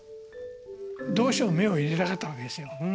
どうしても目を入れたかったわけですよ。